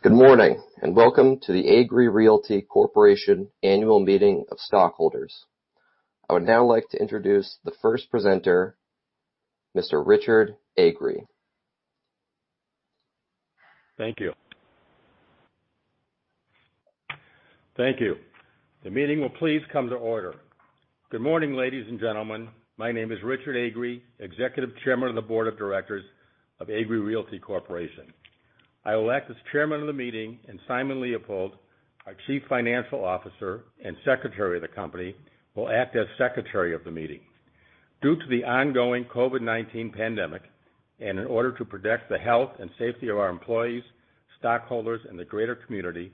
Good morning, and welcome to the Agree Realty Corporation Annual Meeting of Stockholders. I would now like to introduce the first presenter, Mr. Richard Agree. Thank you. Thank you. The meeting will please come to order. Good morning, ladies and gentlemen. My name is Richard Agree, Executive Chairman of the Board of Directors of Agree Realty Corporation. I will act as chairman of the meeting, and Simon Leopold, our Chief Financial Officer and Secretary of the company, will act as secretary of the meeting. Due to the ongoing COVID-19 pandemic, in order to protect the health and safety of our employees, stockholders, and the greater community,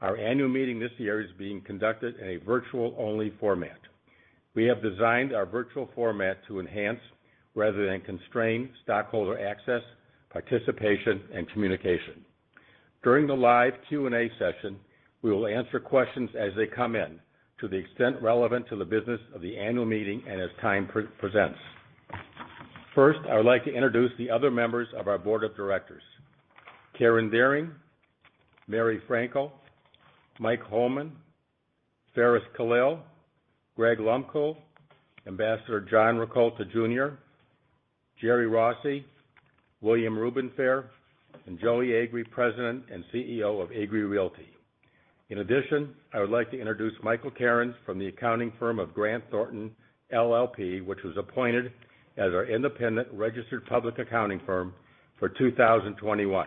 our annual meeting this year is being conducted in a virtual-only format. We have designed our virtual format to enhance rather than constrain stockholder access, participation, and communication. During the live Q&A session, we will answer questions as they come in to the extent relevant to the business of the annual meeting and as time presents.` First, I would like to introduce the other members of our board of directors, Karen Dearing, Merrie Frankel, Mike Hollman, Farris Kalil, Greg Lehmkuhl, Ambassador John Rakolta Jr., Jerome Rossi, Rubenfaer, and Joey Agree, President and CEO of Agree Realty. In addition, I would like to introduce Michael Cairns from the accounting firm of Grant Thornton LLP, which was appointed as our independent registered public accounting firm for 2021.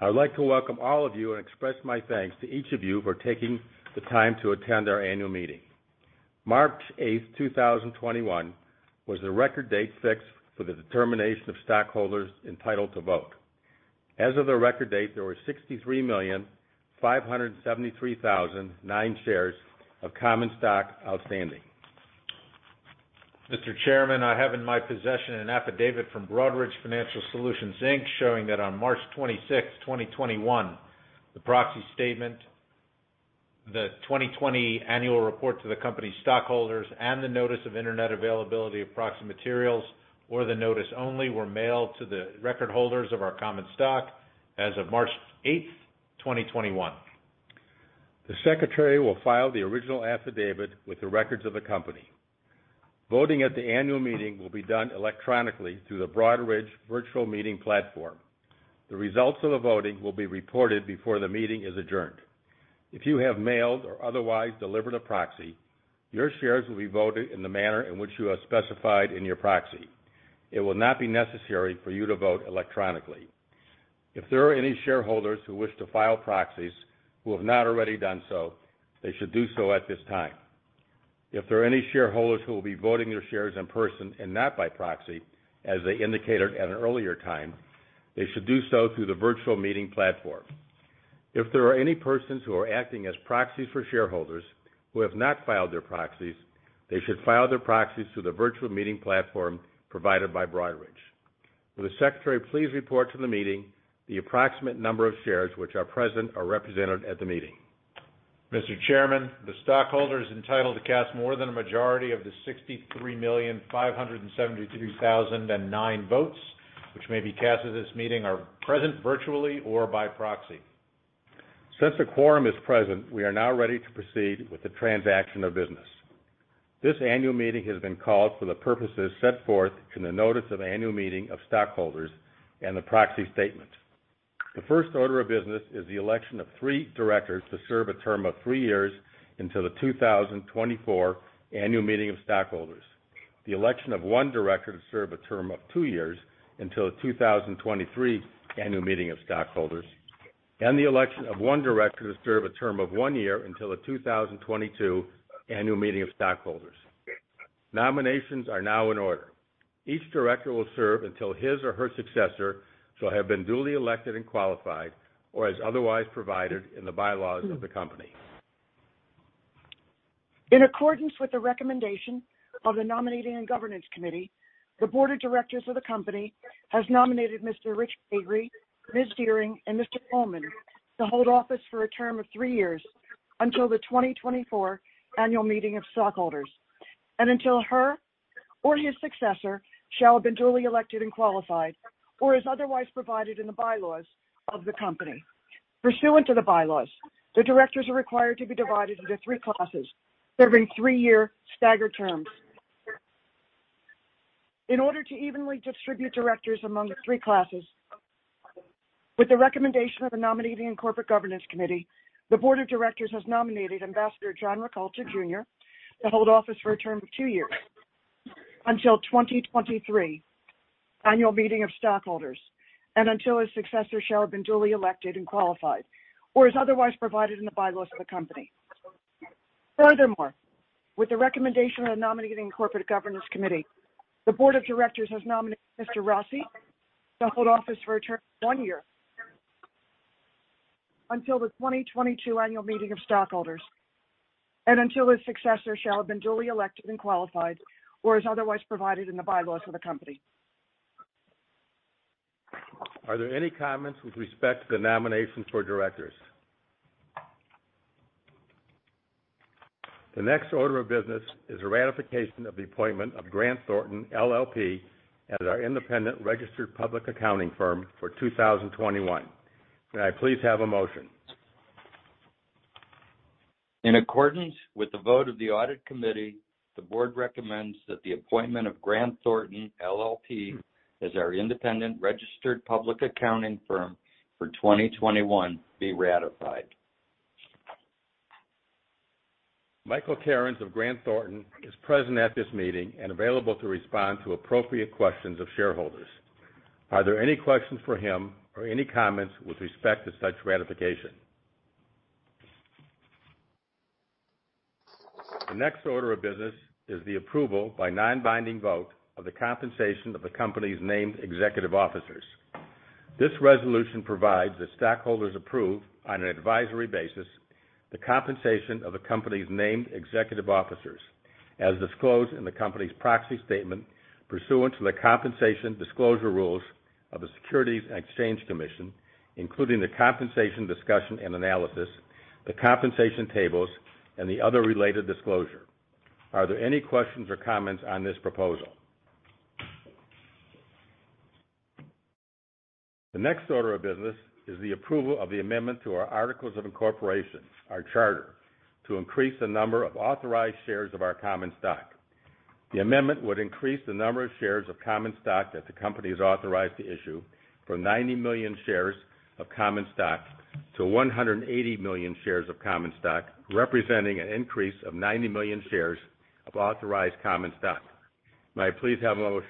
I would like to welcome all of you and express my thanks to each of you for taking the time to attend our annual meeting. March 8th, 2021, was the record date fixed for the determination of stockholders entitled to vote. As of the record date, there were 63,573,009 shares of common stock outstanding. Mr. Chairman, I have in my possession an affidavit from Broadridge Financial Solutions, Inc showing that on March 26th, 2021, the proxy statement, the 2020 annual report to the company stockholders, and the notice of Internet availability of proxy materials or the notice only were mailed to the record holders of our common stock as of March 8th, 2021. The secretary will file the original affidavit with the records of the company. Voting at the annual meeting will be done electronically through the Broadridge virtual meeting platform. The results of the voting will be reported before the meeting is adjourned. If you have mailed or otherwise delivered a proxy, your shares will be voted in the manner in which you have specified in your proxy. It will not be necessary for you to vote electronically. If there are any shareholders who wish to file proxies who have not already done so, they should do so at this time. If there are any shareholders who will be voting their shares in person and not by proxy, as they indicated at an earlier time, they should do so through the virtual meeting platform. If there are any persons who are acting as proxies for shareholders who have not filed their proxies, they should file their proxies through the virtual meeting platform provided by Broadridge. Will the secretary please report to the meeting the approximate number of shares which are present or represented at the meeting? Mr. Chairman, the stockholders entitled to cast more than a majority of the 63,573,009 votes which may be cast at this meeting are present virtually or by proxy. Since a quorum is present, we are now ready to proceed with the transaction of business. This annual meeting has been called for the purposes set forth in the notice of annual meeting of stockholders and the proxy statement. The first order of business is the election of three directors to serve a term of three years until the 2024 annual meeting of stockholders. The election of one director to serve a term of two years until the 2023 annual meeting of stockholders, and the election of one director to serve a term of one year until the 2022 annual meeting of stockholders. Nominations are now in order. Each director will serve until his or her successor shall have been duly elected and qualified or as otherwise provided in the bylaws of the company. In accordance with the recommendation of the nominating and governance committee, the board of directors of the company has nominated Mr. Rich Agree, Ms. Dearing, and Mr. Hollman to hold office for a term of three years until the 2024 annual meeting of stockholders and until her or his successor shall have been duly elected and qualified or as otherwise provided in the bylaws of the company. Pursuant to the bylaws, the directors are required to be divided into three classes, serving three-year staggered terms. In order to evenly distribute Directors among the three classes, with the recommendation of the Nominating and Corporate Governance Committee, the Board of Directors has nominated Ambassador John Rakolta Jr. to hold office for a term of two years until the 2023 annual meeting of stockholders and until his successor shall have been duly elected and qualified or as otherwise provided in the bylaws of the company. Furthermore, with the recommendation of the Nominating and Corporate Governance Committee, the Board of Directors has nominated Mr. Rossi to hold office for a term of one year until the 2022 annual meeting of stockholders and until his successor shall have been duly elected and qualified or as otherwise provided in the bylaws of the company. Are there any comments with respect to the nominations for directors? The next order of business is the ratification of the appointment of Grant Thornton LLP as our independent registered public accounting firm for 2021. May I please have a motion? In accordance with the vote of the audit committee, the board recommends that the appointment of Grant Thornton LLP as our independent registered public accounting firm for 2021 be ratified. Michael Cairns of Grant Thornton is present at this meeting and available to respond to appropriate questions of shareholders. Are there any questions for him or any comments with respect to such ratification? The next order of business is the approval by non-binding vote of the compensation of the company's named executive officers. This resolution provides that stockholders approve, on an advisory basis, the compensation of the company's named executive officers, as disclosed in the company's proxy statement pursuant to the compensation disclosure rules of the Securities and Exchange Commission, including the compensation discussion and analysis, the compensation tables, and the other related disclosure. Are there any questions or comments on this proposal? The next order of business is the approval of the amendment to our articles of incorporation, our charter, to increase the number of authorized shares of our common stock. The amendment would increase the number of shares of common stock that the company is authorized to issue from 90 million shares of common stock to 180 million shares of common stock, representing an increase of 90 million shares of authorized common stock. May I please have a motion?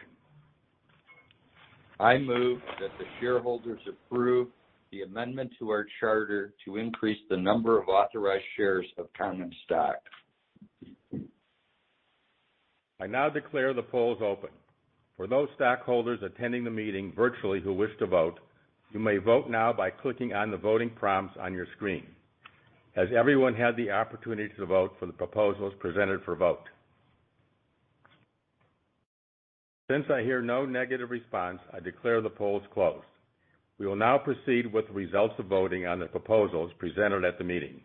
I move that the shareholders approve the amendment to our charter to increase the number of authorized shares of common stock. I now declare the polls open. For those stockholders attending the meeting virtually who wish to vote, you may vote now by clicking on the voting prompts on your screen. Has everyone had the opportunity to vote for the proposals presented for vote? Since I hear no negative response, I declare the polls closed. We will now proceed with the results of voting on the proposals presented at the meeting.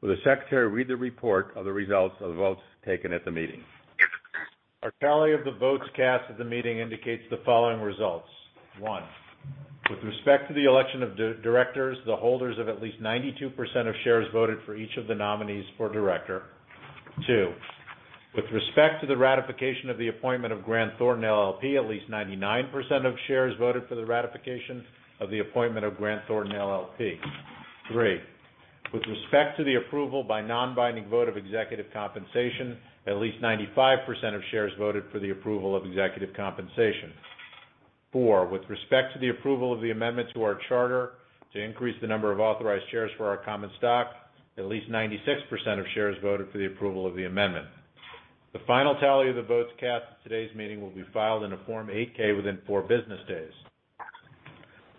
Will the Secretary read the report of the results of the votes taken at the meeting? Our tally of the votes cast at the meeting indicates the following results. One, with respect to the election of directors, the holders of at least 92% of shares voted for each of the nominees for director. Two, with respect to the ratification of the appointment of Grant Thornton LLP, at least 99% of shares voted for the ratification of the appointment of Grant Thornton LLP. Three, with respect to the approval by non-binding vote of executive compensation, at least 95% of shares voted for the approval of executive compensation. Four, with respect to the approval of the amendment to our charter to increase the number of authorized shares for our common stock, at least 96% of shares voted for the approval of the amendment. The final tally of the votes cast at today's meeting will be filed in a Form 8-K within four business days.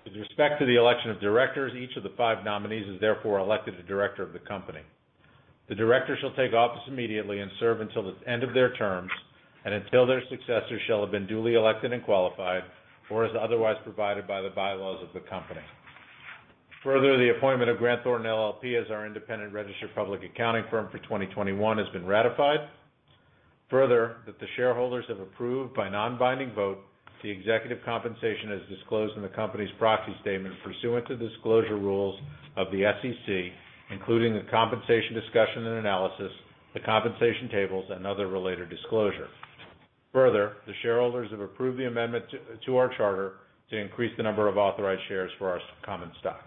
With respect to the election of directors, each of the five nominees is therefore elected a director of the company. The directors shall take office immediately and serve until the end of their terms and until their successors shall have been duly elected and qualified, or as otherwise provided by the bylaws of the company. Further, the appointment of Grant Thornton LLP as our independent registered public accounting firm for 2021 has been ratified. Further, that the shareholders have approved by non-binding vote the executive compensation as disclosed in the company's proxy statement pursuant to disclosure rules of the SEC, including the compensation discussion and analysis, the compensation tables, and other related disclosure. Further, the shareholders have approved the amendment to our charter to increase the number of authorized shares for our common stock.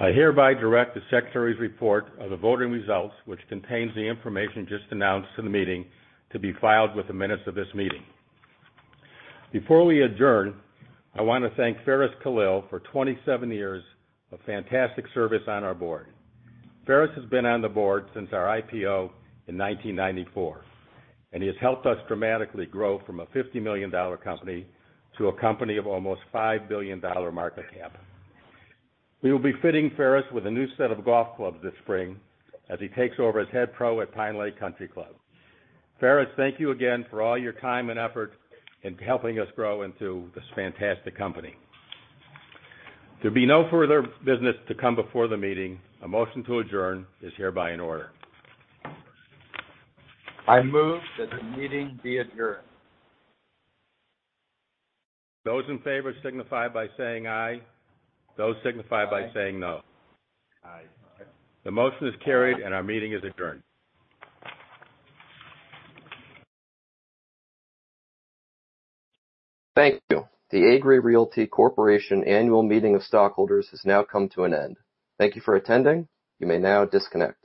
I hereby direct the Secretary's report of the voting results, which contains the information just announced in the meeting, to be filed with the minutes of this meeting. Before we adjourn, I want to thank Farris Kalil for 27 years of fantastic service on our board. Farris has been on the board since our IPO in 1994, and he has helped us dramatically grow from a $50 million company to a company of almost $5 billion market cap. We will be fitting Farris with a new set of golf clubs this spring as he takes over as head pro at Pine Lake Country Club. Farris, thank you again for all your time and effort in helping us grow into this fantastic company. There'll be no further business to come before the meeting. A motion to adjourn is hereby in order. I move that the meeting be adjourned. Those in favor signify by saying "Aye." Those signify by saying "No. Aye. The motion is carried and our meeting is adjourned. Thank you. The Agree Realty Corporation Annual Meeting of Stockholders has now come to an end. Thank you for attending. You may now disconnect.